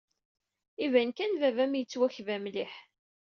Iban kan baba-m yettwakba mliḥ.